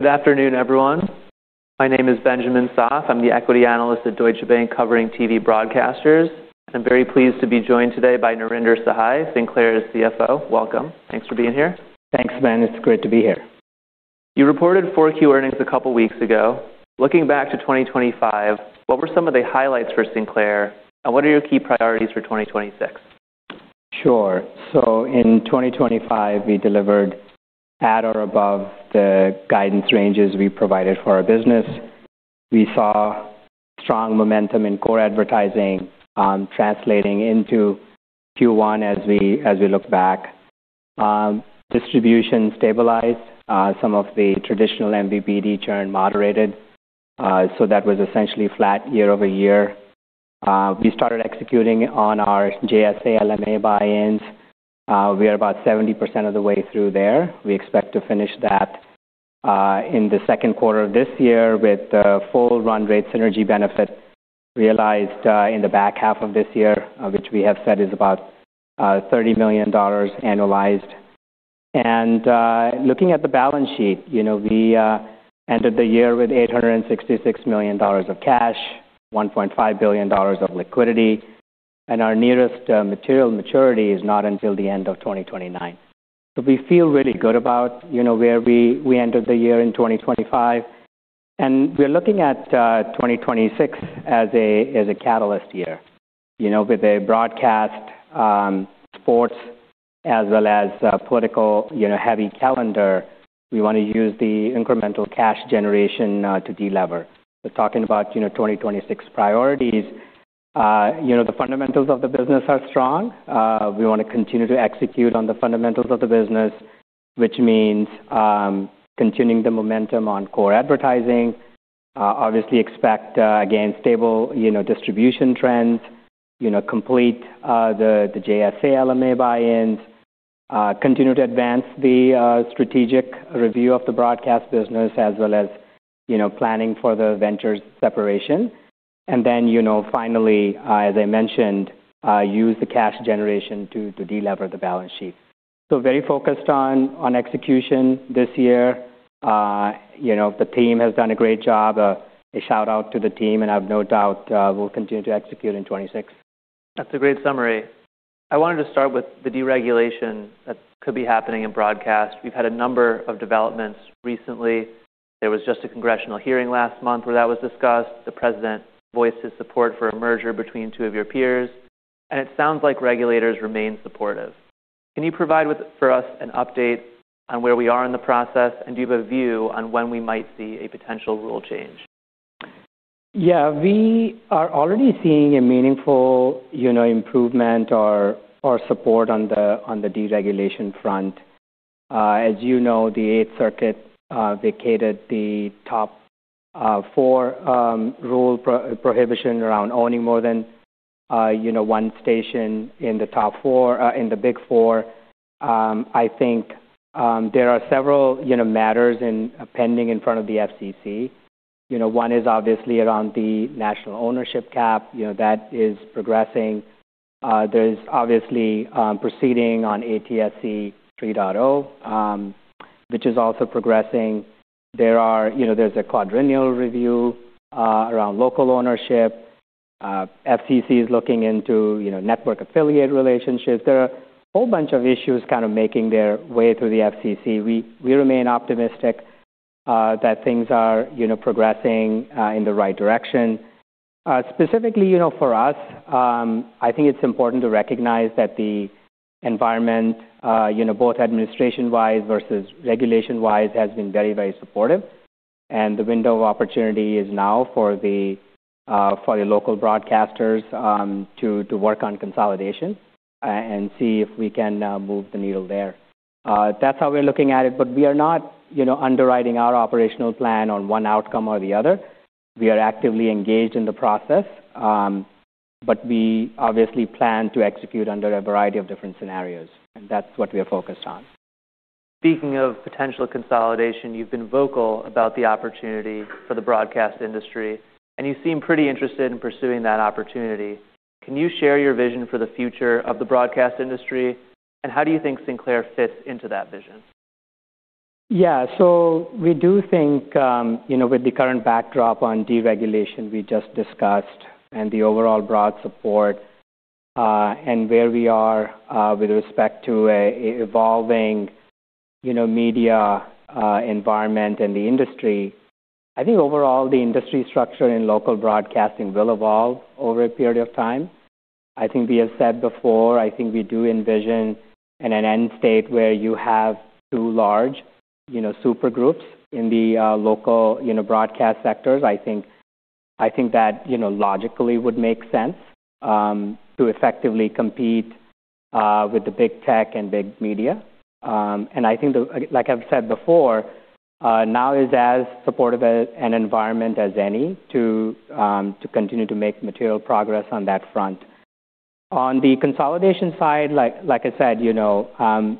Good afternoon, everyone. My name is Benjamin Soff. I'm the Equity Analyst at Deutsche Bank covering TV broadcasters. I'm very pleased to be joined today by Narinder Sahai, Sinclair's CFO. Welcome. Thanks for being here. Thanks, Ben. It's great to be here. You reported four key earnings a couple weeks ago. Looking back to 2025, what were some of the highlights for Sinclair, and what are your key priorities for 2026? Sure. In 2025, we delivered at or above the guidance ranges we provided for our business. We saw strong momentum in core advertising, translating into Q1 as we look back. Distribution stabilized, some of the traditional MVPD churn moderated, so that was essentially flat year-over-year. We started executing on our JSA LMA buy-ins. We are about 70% of the way through there. We expect to finish that in the second quarter of this year with the full run rate synergy benefit realized in the back half of this year, which we have said is about $30 million annualized. Looking at the balance sheet, you know, we ended the year with $866 million of cash, $1.5 billion of liquidity, and our nearest material maturity is not until the end of 2029. We feel really good about, you know, where we ended the year in 2025. We're looking at 2026 as a catalyst year. You know, with a broadcast, sports as well as political, you know, heavy calendar, we wanna use the incremental cash generation to delever. We're talking about, you know, 2026 priorities. You know, the fundamentals of the business are strong. We wanna continue to execute on the fundamentals of the business, which means continuing the momentum on core advertising. Obviously expect, again, stable, you know, distribution trends, you know, complete the JSA LMA buy-ins, continue to advance the strategic review of the broadcast business as well as, you know, planning for the Ventures separation. Finally, as I mentioned, use the cash generation to delever the balance sheet. Very focused on execution this year. You know, the team has done a great job. A shout-out to the team, and I've no doubt, we'll continue to execute in 2026. That's a great summary. I wanted to start with the deregulation that could be happening in broadcast. We've had a number of developments recently. There was just a congressional hearing last month where that was discussed. The president voiced his support for a merger between two of your peers, and it sounds like regulators remain supportive. Can you provide for us an update on where we are in the process, and do you have a view on when we might see a potential rule change? We are already seeing a meaningful, you know, improvement or support on the deregulation front. As you know, the Eighth Circuit vacated the Top-Four Prohibition around owning more than, you know, one station in the Top-Four, in the Big Four. I think there are several, you know, matters pending in front of the FCC. One is obviously around the national ownership cap. You know, that is progressing. There's obviously proceeding on ATSC 3.0, which is also progressing. There's a quadrennial review around local ownership. FCC is looking into, network affiliate relationships. There are a whole bunch of issues kind of making their way through the FCC. We remain optimistic that things are, you know, progressing in the right direction. Specifically, you know, for us, I think it's important to recognize that the environment, you know, both administration-wise versus regulation-wise, has been very, very supportive. The window of opportunity is now for the local broadcasters to work on consolidation and see if we can move the needle there. That's how we're looking at it, but we are not, you know, underwriting our operational plan on one outcome or the other. We are actively engaged in the process, but we obviously plan to execute under a variety of different scenarios, and that's what we are focused on. Speaking of potential consolidation, you've been vocal about the opportunity for the broadcast industry, and you seem pretty interested in pursuing that opportunity. Can you share your vision for the future of the broadcast industry, and how do you think Sinclair fits into that vision? We do think, you know, with the current backdrop on deregulation we just discussed and the overall broad support, and where we are, with respect to a evolving, you know, media, environment in the industry, I think overall, the industry structure in local broadcasting will evolve over a period of time. I think we have said before, I think we do envision in an end state where you have two large, you know, super groups in the, local, you know, broadcast sectors. I think that, you know, logically would make sense, to effectively compete, with the big tech and big media. I think like I've said before, now is as supportive an environment as any to continue to make material progress on that front. On the consolidation side, like I said, you know,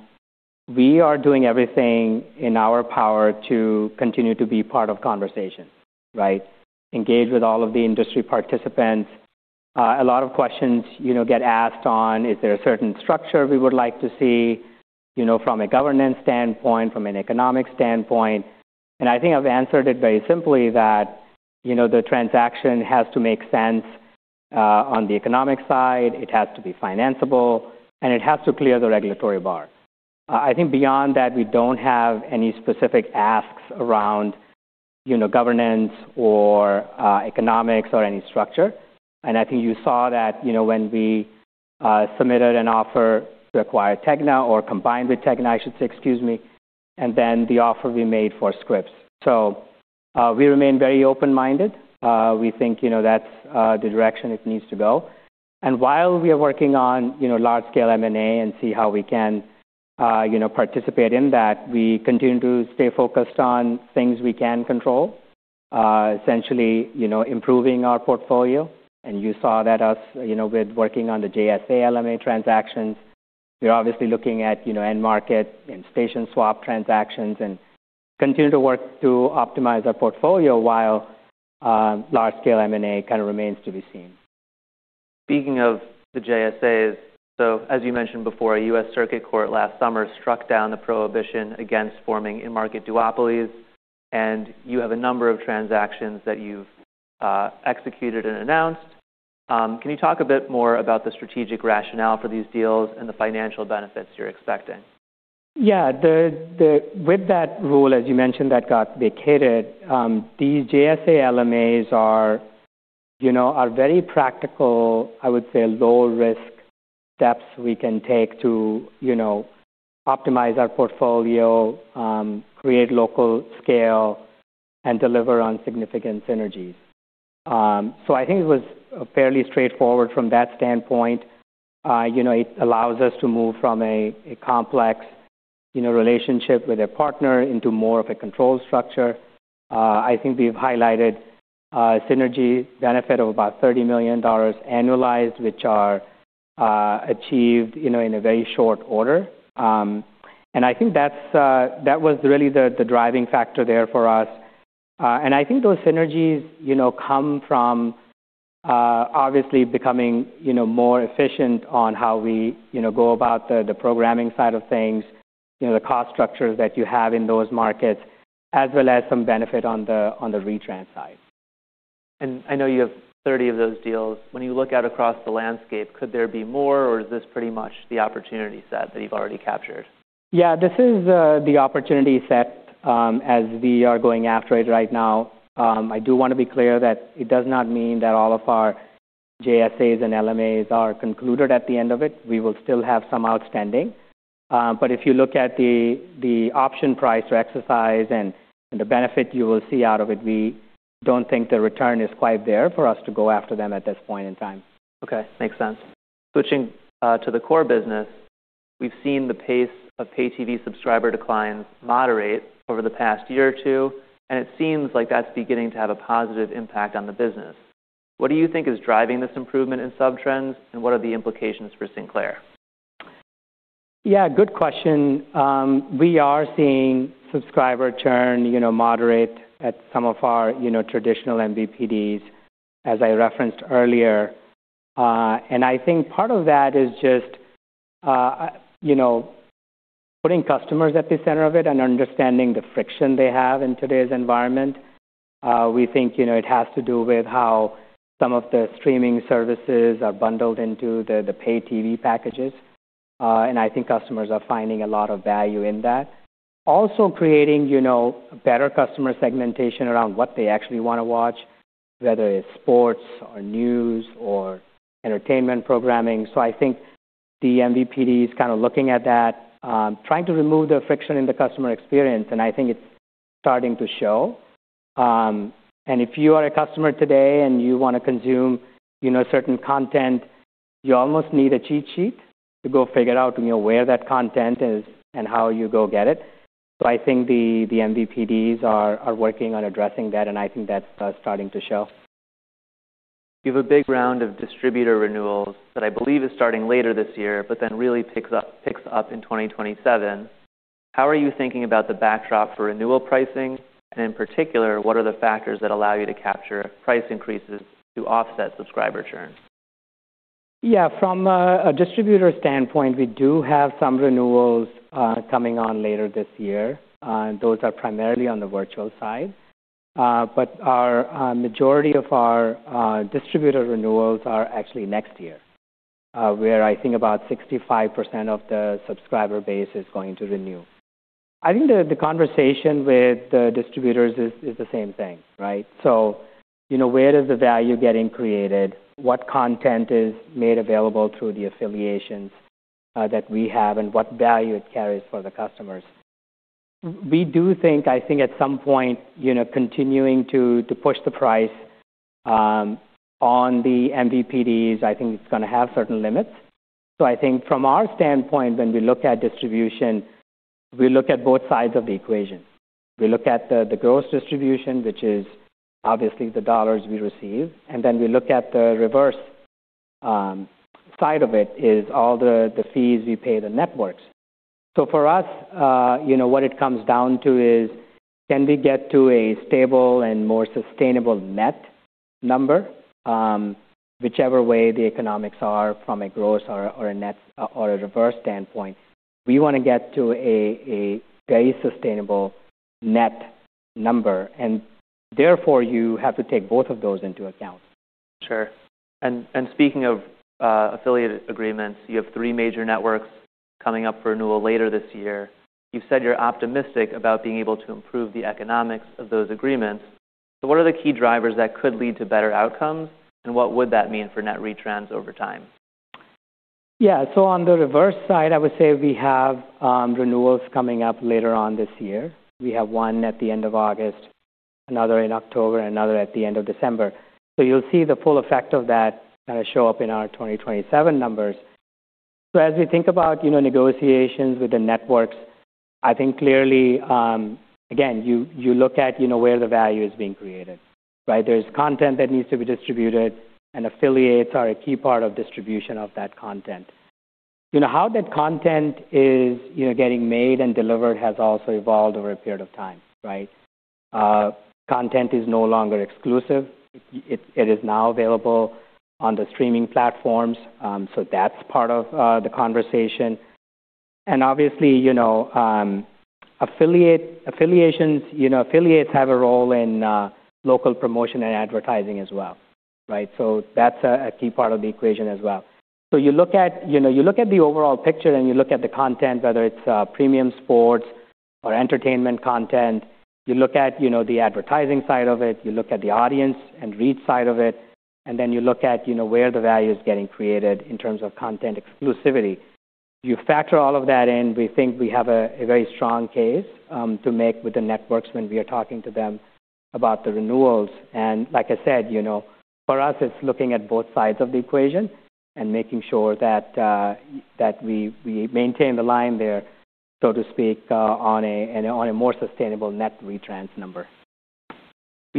we are doing everything in our power to continue to be part of conversation, right? Engage with all of the industry participants. A lot of questions, you know, get asked on is there a certain structure we would like to see, you know, from a governance standpoint, from an economic standpoint. I think I've answered it very simply that, you know, the transaction has to make sense on the economic side, it has to be financeable, and it has to clear the regulatory bar. I think beyond that, we don't have any specific asks around, you know, governance or economics or any structure. I think you saw that, you know, when we submitted an offer to acquire Tegna or combined with Tegna, I should say, excuse me, and then the offer we made for Scripps. We remain very open-minded. We think, you know, that's the direction it needs to go. While we are working on, you know, large scale M&A and see how we can, you know, participate in that, we continue to stay focused on things we can control, essentially, you know, improving our portfolio. You saw that us, you know, with working on the JSA LMA transactions. We're obviously looking at, you know, end market and station swap transactions and continue to work to optimize our portfolio while large scale M&A kinda remains to be seen. Speaking of the JSAs, as you mentioned before, a U.S. Circuit Court last summer struck down the prohibition against forming end market duopolies, and you have a number of transactions that you've executed and announced. Can you talk a bit more about the strategic rationale for these deals and the financial benefits you're expecting? With that rule, as you mentioned, that got vacated, these JSA LMAs are, you know, are very practical, I would say low risk steps we can take to, you know, optimize our portfolio, create local scale, and deliver on significant synergies. I think it was fairly straightforward from that standpoint. You know, it allows us to move from a complex, you know, relationship with a partner into more of a controlled structure. I think we've highlighted a synergy benefit of about $30 million annualized, which are achieved, you know, in a very short order. I think that was really the driving factor there for us. I think those synergies, you know, come from, obviously becoming, you know, more efficient on how we, you know, go about the programming side of things, you know, the cost structures that you have in those markets, as well as some benefit on the, on the retransmission side. I know you have 30 of those deals. When you look out across the landscape, could there be more, or is this pretty much the opportunity set that you've already captured? Yeah. This is the opportunity set as we are going after it right now. I do wanna be clear that it does not mean that all of our JSAs and LMAs are concluded at the end of it. We will still have some outstanding. If you look at the option price to exercise and the benefit you will see out of it, we don't think the return is quite there for us to go after them at this point in time. Okay. Makes sense. Switching to the core business, we've seen the pace of pay TV subscriber declines moderate over the past year or two, and it seems like that's beginning to have a positive impact on the business. What do you think is driving this improvement in sub trends, and what are the implications for Sinclair? Yeah, good question. We are seeing subscriber churn, you know, moderate at some of our, you know, traditional MVPDs, as I referenced earlier. I think part of that is just, you know, putting customers at the center of it and understanding the friction they have in today's environment. We think, you know, it has to do with how some of the streaming services are bundled into the paid TV packages, and I think customers are finding a lot of value in that. Also creating, you know, better customer segmentation around what they actually want to watch, whether it's sports or news or entertainment programming. I think the MVPD is kind of looking at that, trying to remove the friction in the customer experience, and I think it's starting to show. If you are a customer today and you wanna consume, you know, certain content, you almost need a cheat sheet to go figure out, you know, where that content is and how you go get it. I think the MVPDs are working on addressing that, and I think that's starting to show. You have a big round of distributor renewals that I believe is starting later this year but then really picks up in 2027. How are you thinking about the backdrop for renewal pricing, and in particular, what are the factors that allow you to capture price increases to offset subscriber churn? Yeah. From a distributor standpoint, we do have some renewals coming on later this year. Those are primarily on the virtual side. Our majority of our distributor renewals are actually next year, where I think about 65% of the subscriber base is going to renew. I think the conversation with the distributors is the same thing, right? You know, where is the value getting created? What content is made available through the affiliations that we have, and what value it carries for the customers? We do think, I think at some point, you know, continuing to push the price on the MVPDs, I think it's gonna have certain limits. I think from our standpoint, when we look at distribution, we look at both sides of the equation. We look at the gross distribution, which is obviously the dollars we receive, and then we look at the reverse side of it, is all the fees we pay the networks. For us, you know, what it comes down to is can we get to a stable and more sustainable net number, whichever way the economics are from a gross or a net or a reverse standpoint. We want to get to a very sustainable net number, and therefore you have to take both of those into account. Sure. Speaking of affiliate agreements, you have three major networks coming up for renewal later this year. You've said you're optimistic about being able to improve the economics of those agreements. What are the key drivers that could lead to better outcomes, and what would that mean for net retransmission over time? On the reverse side, I would say we have renewals coming up later on this year. We have one at the end of August, another in October, and another at the end of December. You'll see the full effect of that show up in our 2027 numbers. As we think about, you know, negotiations with the networks, I think clearly, again, you look at, you know, where the value is being created, right? There's content that needs to be distributed, and affiliates are a key part of distribution of that content. You know, how that content is, you know, getting made and delivered has also evolved over a period of time, right? Content is no longer exclusive. It is now available on the streaming platforms, that's part of the conversation. Obviously, you know, affiliate, affiliations, you know, affiliates have a role in local promotion and advertising as well, right? That's a key part of the equation as well. You look at, you know, you look at the overall picture, and you look at the content, whether it's premium sports or entertainment content. You look at, you know, the advertising side of it. You look at the audience and reach side of it, and then you look at, you know, where the value is getting created in terms of content exclusivity. You factor all of that in. We think we have a very strong case to make with the networks when we are talking to them about the renewals. Like I said, you know, for us, it's looking at both sides of the equation and making sure that we maintain the line there, so to speak, on a more sustainable net retransmission number.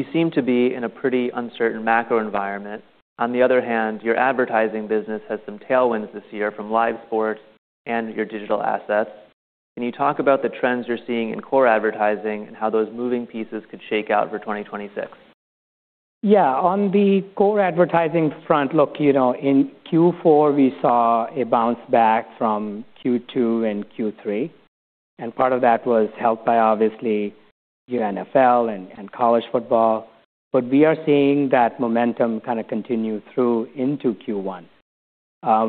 We seem to be in a pretty uncertain macro environment. On the other hand, your advertising business has some tailwinds this year from live sports and your digital assets. Can you talk about the trends you're seeing in core advertising and how those moving pieces could shake out for 2026? On the core advertising front, look, you know, in Q4, we saw a bounce back from Q2 and Q3, part of that was helped by obviously your NFL and college football. We are seeing that momentum kinda continue through into Q1,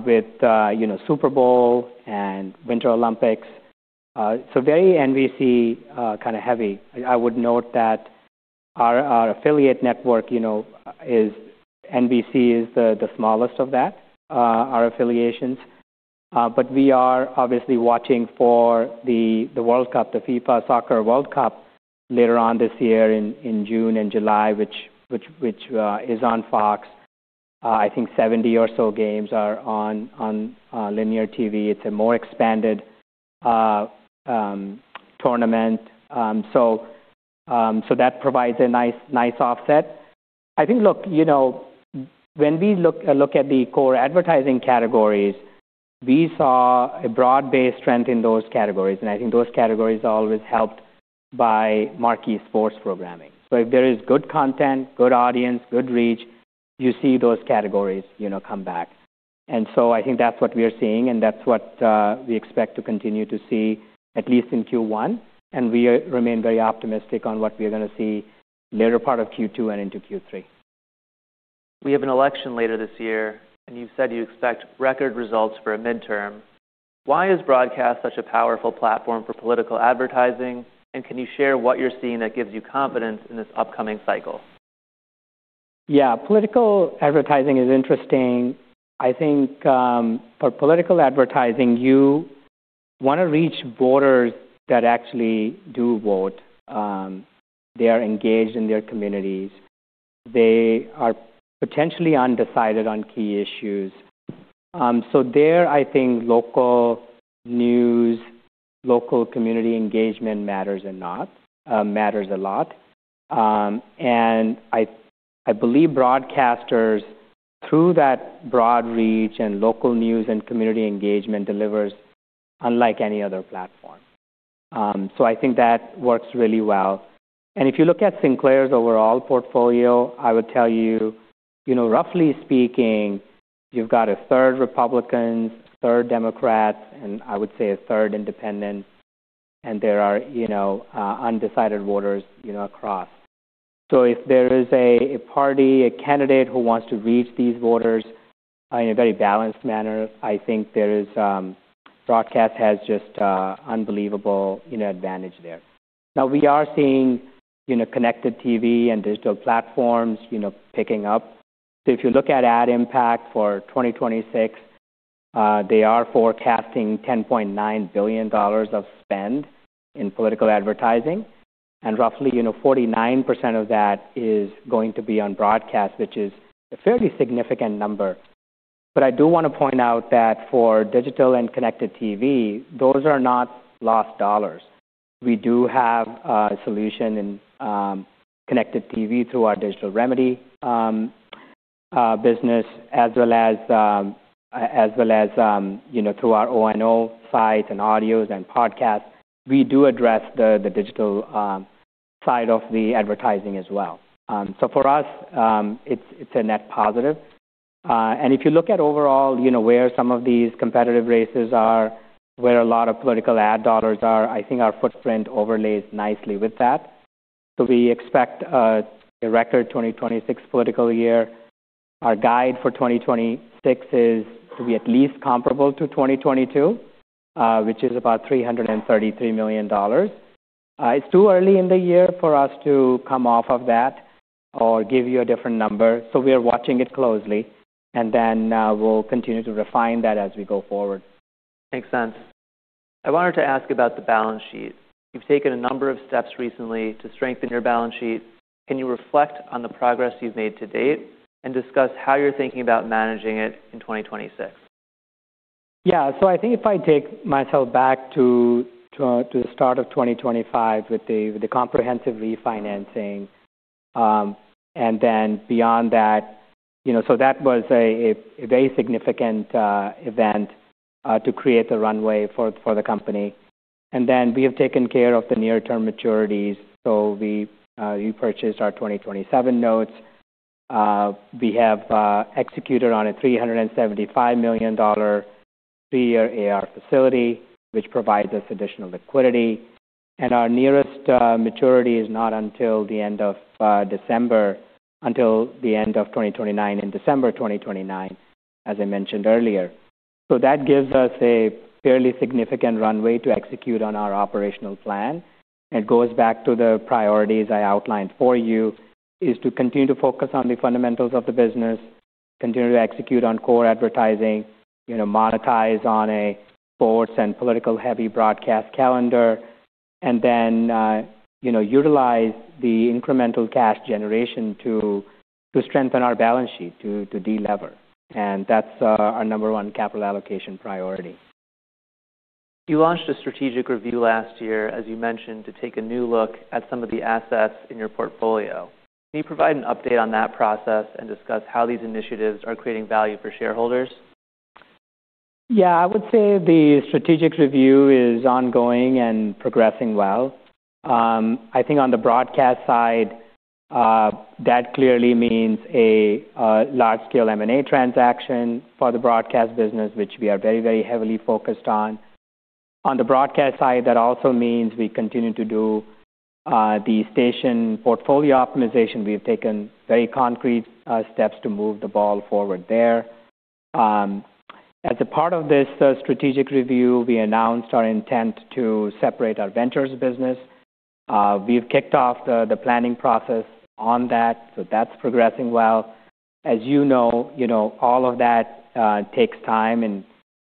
with, you know, Super Bowl and Winter Olympics. Very NBC kinda heavy. I would note that our affiliate network, you know, is NBC is the smallest of that, our affiliations. We are obviously watching for the World Cup, the FIFA Soccer World Cup later on this year in June and July, which is on Fox. I think 70 or so games are on linear TV. It's a more expanded tournament. That provides a nice offset. I think, look, you know, when we look at the core advertising categories, we saw a broad-based strength in those categories. I think those categories are always helped by marquee sports programming. If there is good content, good audience, good reach, you see those categories, you know, come back. I think that's what we are seeing, and that's what we expect to continue to see at least in Q1, and we remain very optimistic on what we're gonna see later part of Q2 and into Q3. We have an election later this year, and you've said you expect record results for a midterm. Why is broadcast such a powerful platform for political advertising, and can you share what you're seeing that gives you confidence in this upcoming cycle? Yeah. Political advertising is interesting. I think for political advertising, you wanna reach voters that actually do vote. They are engaged in their communities. They are potentially undecided on key issues. There, I think local news, local community engagement matters a lot. I believe broadcasters, through that broad reach and local news and community engagement, delivers unlike any other platform. I think that works really well. If you look at Sinclair's overall portfolio, I would tell you know, roughly speaking, you've got 1/3 Republican, 1/3 Democrat, and I would say 1/3 independent, and there are, you know, undecided voters, you know, across. If there is a party, a candidate who wants to reach these voters in a very balanced manner, I think there is, broadcast has just a unbelievable, you know, advantage there. Now we are seeing, you know, connected TV and digital platforms, you know, picking up. If you look at AdImpact for 2026, they are forecasting $10.9 billion of spend in political advertising, and roughly, you know, 49% of that is going to be on broadcast, which is a fairly significant number. I do wanna point out that for digital and connected TV, those are not lost dollars. We do have a solution in connected TV through our Digital Remedy business as well as, you know, through our O&O sites and audios and podcasts, we do address the digital side of the advertising as well. For us, it's a net positive. If you look at overall, you know, where some of these competitive races are, where a lot of political ad dollars are, I think our footprint overlays nicely with that. We expect a record 2026 political year. Our guide for 2026 is to be at least comparable to 2022, which is about $333 million. It's too early in the year for us to come off of that or give you a different number. We are watching it closely. We'll continue to refine that as we go forward. Makes sense. I wanted to ask about the balance sheet. You've taken a number of steps recently to strengthen your balance sheet. Can you reflect on the progress you've made to date and discuss how you're thinking about managing it in 2026? Yeah. I think if I take myself back to the start of 2025 with the comprehensive refinancing, beyond that, you know, that was a very significant event to create the runway for the company. We have taken care of the near-term maturities. We repurchased our 2027 notes. We have executed on a $375 million three-year AR facility, which provides us additional liquidity. Our nearest maturity is not until the end of 2029, in December 2029, as I mentioned earlier. That gives us a fairly significant runway to execute on our operational plan. It goes back to the priorities I outlined for you, is to continue to focus on the fundamentals of the business, continue to execute on core advertising, you know, monetize on a sports and political-heavy broadcast calendar, then, you know, utilize the incremental cash generation to strengthen our balance sheet to delever. That's our number one capital allocation priority. You launched a strategic review last year, as you mentioned, to take a new look at some of the assets in your portfolio. Can you provide an update on that process and discuss how these initiatives are creating value for shareholders? I would say the strategic review is ongoing and progressing well. I think on the broadcast side, that clearly means a large-scale M&A transaction for the broadcast business, which we are very, very heavily focused on. On the broadcast side, that also means we continue to do the station portfolio optimization. We have taken very concrete steps to move the ball forward there. As a part of this strategic review, we announced our intent to separate our ventures business. We've kicked off the planning process on that's progressing well. As you know, all of that takes time and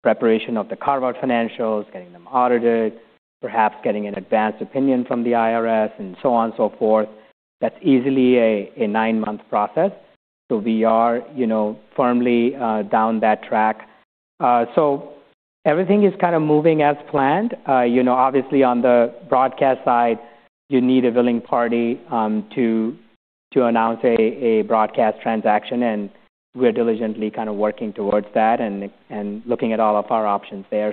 preparation of the carve-out financials, getting them audited, perhaps getting an advanced opinion from the IRS and so on and so forth. That's easily a nine-month process. We are, you know, firmly down that track. Everything is kind of moving as planned. You know, obviously on the broadcast side, you need a willing party to announce a broadcast transaction, and we're diligently kind of working towards that and looking at all of our options there.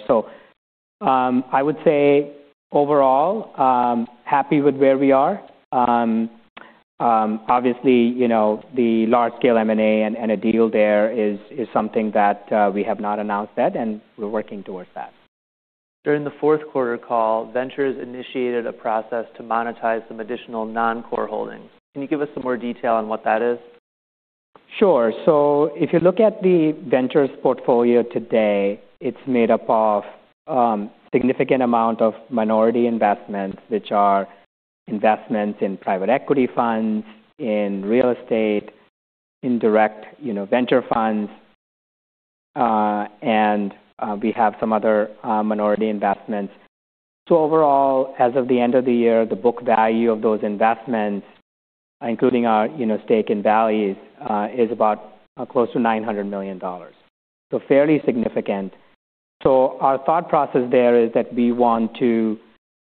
I would say overall, happy with where we are. Obviously, you know, the large scale M&A and a deal there is something that we have not announced yet, and we're working towards that. During the fourth quarter call, Ventures initiated a process to monetize some additional non-core holdings. Can you give us some more detail on what that is? Sure. If you look at the Ventures portfolio today, it's made up of significant amount of minority investments, which are investments in private equity funds, in real estate, in direct, you know, venture funds, and we have some other minority investments. Overall, as of the end of the year, the book value of those investments, including our, you know, stake in Bally's, is about close to $900 million. Fairly significant. Our thought process there is that we want to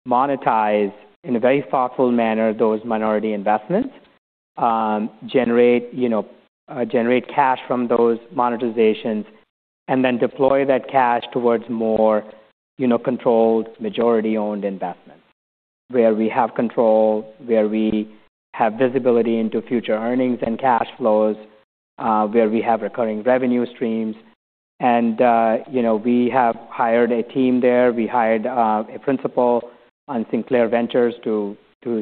monetize in a very thoughtful manner those minority investments, generate, you know, cash from those monetizations, and then deploy that cash towards more, you know, controlled, majority-owned investments where we have control, where we have visibility into future earnings and cash flows, where we have recurring revenue streams. You know, we have hired a team there. We hired a principal on Sinclair Ventures to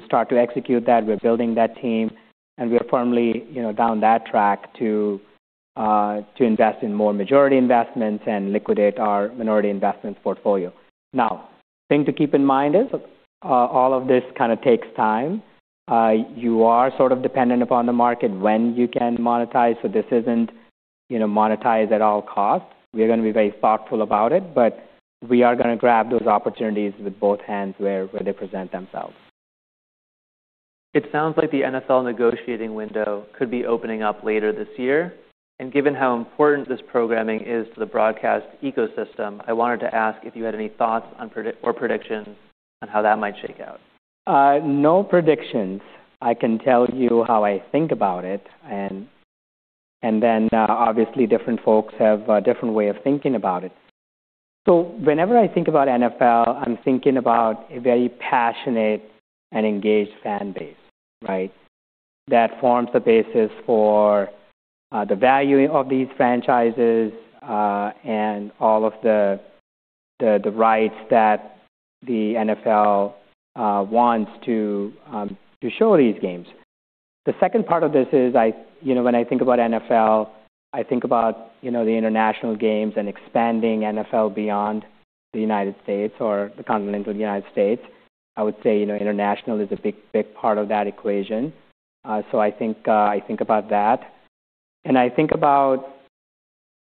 start to execute that. We're building that team. We are firmly, you know, down that track to invest in more majority investments and liquidate our minority investments portfolio. Thing to keep in mind is, all of this kind of takes time. You are sort of dependent upon the market when you can monetize, so this isn't, you know, monetize at all costs. We're gonna be very thoughtful about it, but we are gonna grab those opportunities with both hands where they present themselves. It sounds like the NFL negotiating window could be opening up later this year, and given how important this programming is to the broadcast ecosystem, I wanted to ask if you had any thoughts on or predictions on how that might shake out? No predictions. I can tell you how I think about it and then obviously different folks have a different way of thinking about it. Whenever I think about NFL, I'm thinking about a very passionate and engaged fan base, right? That forms the basis for the value of these franchises and all of the rights that the NFL wants to show these games. The second part of this is I, you know, when I think about NFL, I think about, you know, the international games and expanding NFL beyond the United States or the continental United States. I would say, you know, international is a big part of that equation. I think I think about that. I think about,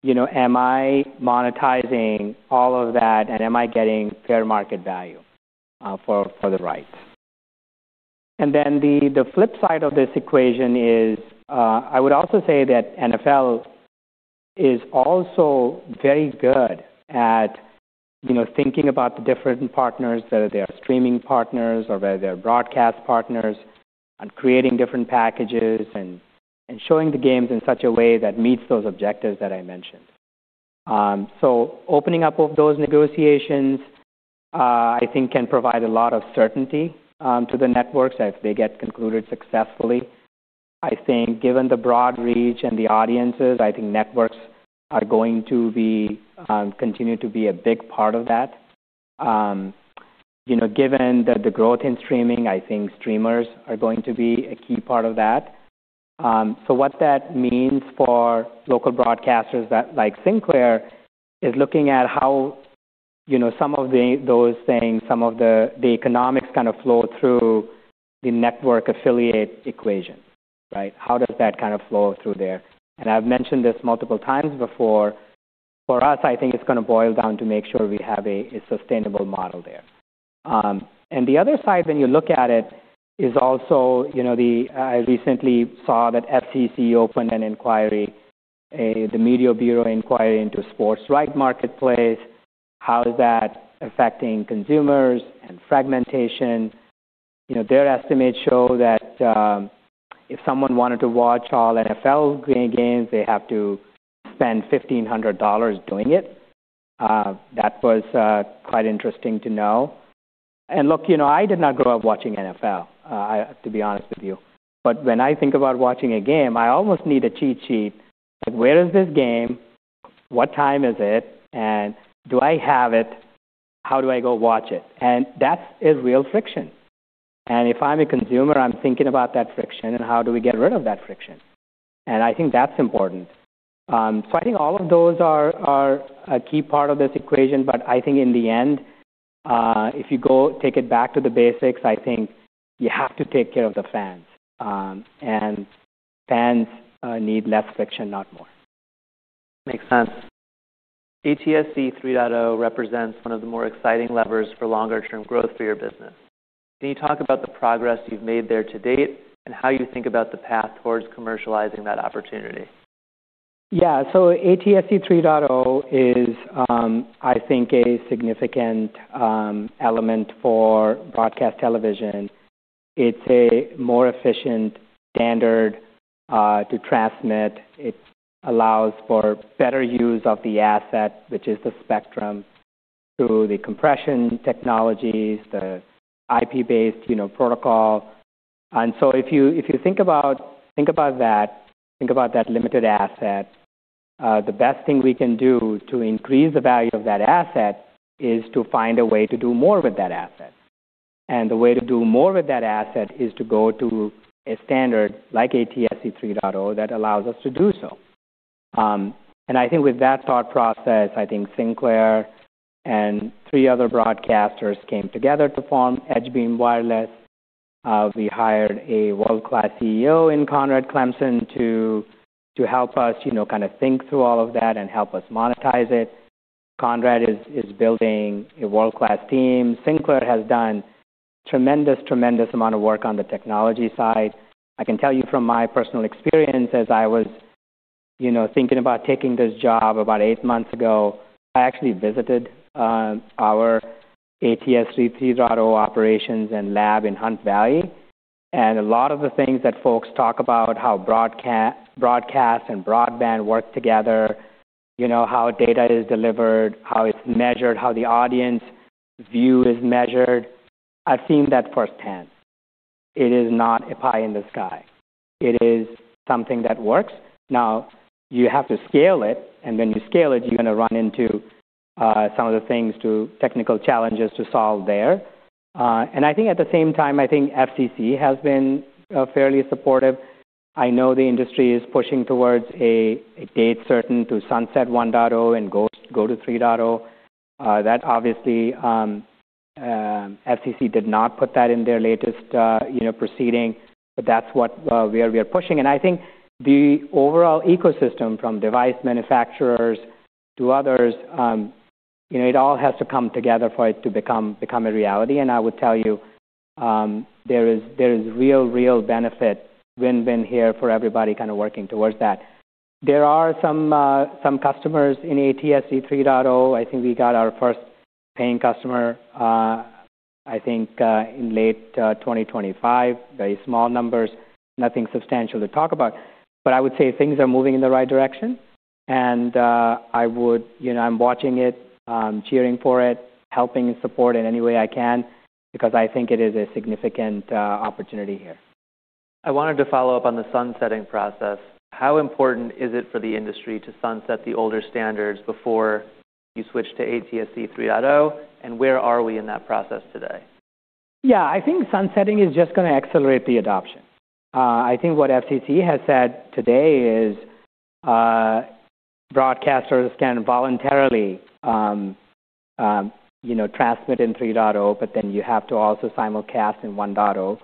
you know, am I monetizing all of that and am I getting fair market value for the rights? The flip side of this equation is, I would also say that NFL is also very good at, you know, thinking about the different partners, whether they are streaming partners or whether they're broadcast partners, and creating different packages and showing the games in such a way that meets those objectives that I mentioned. Opening up of those negotiations, I think can provide a lot of certainty to the networks if they get concluded successfully. I think given the broad reach and the audiences, I think networks are going to be, continue to be a big part of that. You know, given the growth in streaming, I think streamers are going to be a key part of that. So what that means for local broadcasters that like Sinclair is looking at how, you know, some of those things, some of the economics kind of flow through the network affiliate equation, right? How does that kind of flow through there? I've mentioned this multiple times before. For us, I think it's gonna boil down to make sure we have a sustainable model there. The other side, when you look at it, is also, you know, I recently saw that FCC opened an inquiry, the Media Bureau inquiry into sports right marketplace, how is that affecting consumers and fragmentation. You know, their estimates show that, if someone wanted to watch all NFL games, they have to spend $1,500 doing it. That was quite interesting to know. Look, you know, I did not grow up watching NFL, to be honest with you. When I think about watching a game, I almost need a cheat sheet. Like, where is this game? What time is it? Do I have it? How do I go watch it? That is real friction. If I'm a consumer, I'm thinking about that friction and how do we get rid of that friction. I think that's important. I think all of those are a key part of this equation. I think in the end, if you go take it back to the basics, I think you have to take care of the fans, and fans need less friction, not more. Makes sense. ATSC 3.0 represents one of the more exciting levers for longer-term growth for your business. Can you talk about the progress you've made there to date and how you think about the path towards commercializing that opportunity? ATSC 3.0 is, I think, a significant element for broadcast television. It's a more efficient standard to transmit. It allows for better use of the asset, which is the spectrum, through the compression technologies, the IP-based, you know, protocol. If you think about that limited asset, the best thing we can do to increase the value of that asset is to find a way to do more with that asset. The way to do more with that asset is to go to a standard like ATSC 3.0 that allows us to do so. I think with that thought process, I think Sinclair and three other broadcasters came together to form EdgeBeam Wireless. We hired a world-class CEO in Conrad Clemson to help us, you know, kinda think through all of that and help us monetize it. Conrad is building a world-class team. Sinclair has done tremendous amount of work on the technology side. I can tell you from my personal experience as I was, you know, thinking about taking this job about eight months ago, I actually visited our ATSC 3.0 operations and lab in Hunt Valley. A lot of the things that folks talk about, how broadcast and broadband work together, you know, how data is delivered, how it's measured, how the audience view is measured, I've seen that firsthand. It is not a pie in the sky. It is something that works. You have to scale it, and when you scale it, you're gonna run into some of the things to technical challenges to solve there. I think at the same time, I think FCC has been fairly supportive. I know the industry is pushing towards a date certain to sunset 1.0 and go to 3.0. That obviously, FCC did not put that in their latest, you know, proceeding, but that's what we are pushing. I think the overall ecosystem from device manufacturers to others, you know, it all has to come together for it to become a reality. I would tell you, there is real benefit, win-win here for everybody kinda working towards that. There are some customers in ATSC 3.0. I think we got our first paying customer, I think, in late, 2025. Very small numbers. Nothing substantial to talk about. I would say things are moving in the right direction, and, you know, I'm watching it, cheering for it, helping support in any way I can because I think it is a significant opportunity here. I wanted to follow up on the sunsetting process. How important is it for the industry to sunset the older standards before you switch to ATSC 3.0, and where are we in that process today? Yeah, I think sunsetting is just gonna accelerate the adoption. I think what FTC has said today is broadcasters can voluntarily, you know, transmit in 3.0, you have to also simulcast in 1.0.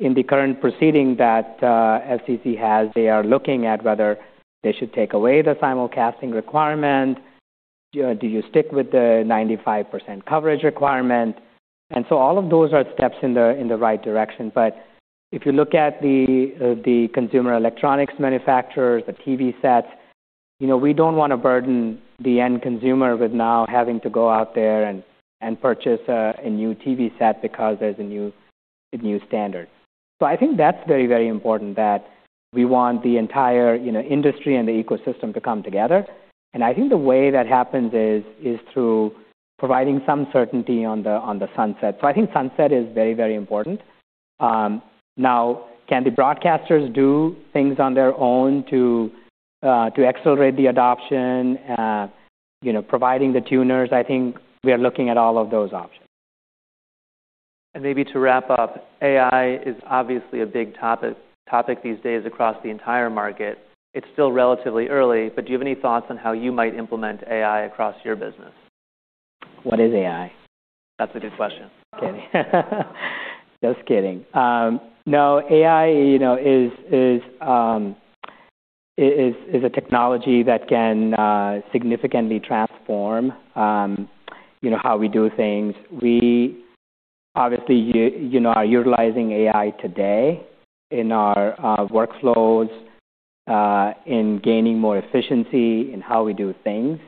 In the current proceeding that FCC has, they are looking at whether they should take away the simulcasting requirement. Do you stick with the 95% coverage requirement? All of those are steps in the right direction. If you look at the consumer electronics manufacturers, the TV sets, you know, we don't wanna burden the end consumer with now having to go out there and purchase a new TV set because there's a new standard. I think that's very, very important that we want the entire, you know, industry and the ecosystem to come together, and I think the way that happens is through providing some certainty on the sunset. I think sunset is very, very important. Now, can the broadcasters do things on their own to accelerate the adoption? You know, providing the tuners, I think we are looking at all of those options. Maybe to wrap up, AI is obviously a big topic these days across the entire market. It's still relatively early, but do you have any thoughts on how you might implement AI across your business? What is AI? That's a good question. Just kidding. No, AI, you know, is a technology that can significantly transform, you know, how we do things. We obviously you know, are utilizing AI today in our workflows, in gaining more efficiency in how we do things.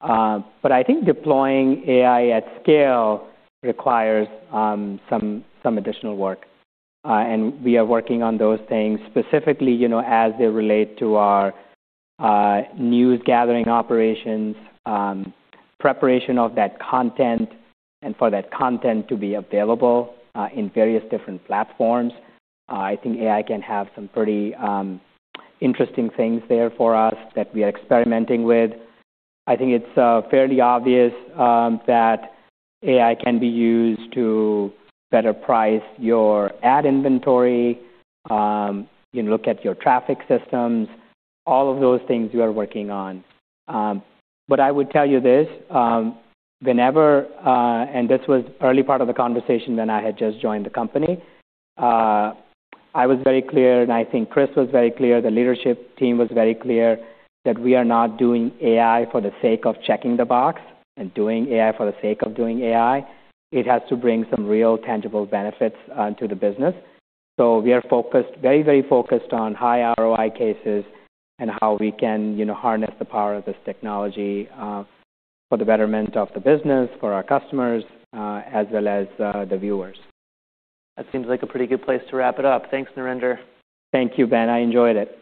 I think deploying AI at scale requires some additional work. We are working on those things specifically, you know, as they relate to our news gathering operations, preparation of that content, and for that content to be available in various different platforms. I think AI can have some pretty interesting things there for us that we are experimenting with. I think it's fairly obvious that AI can be used to better price your ad inventory, you know, look at your traffic systems, all of those things we are working on. I would tell you this, whenever, this was early part of the conversation when I had just joined the company. I was very clear, and I think Chris was very clear, the leadership team was very clear that we are not doing AI for the sake of checking the box and doing AI for the sake of doing AI. It has to bring some real tangible benefits to the business. We are focused, very, very focused on high ROI cases and how we can, you know, harness the power of this technology for the betterment of the business, for our customers, as well as the viewers. That seems like a pretty good place to wrap it up. Thanks, Narinder. Thank you, Ben. I enjoyed it.